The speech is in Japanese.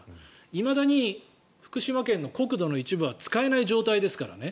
いまだに福島県の国土の一部は使えない状態ですからね。